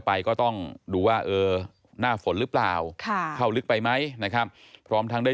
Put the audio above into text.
ไปก็ต้องดูว่าเออหน้าฝนหรือเปล่าเข้าลึกไปไหมนะครับพร้อมทั้งได้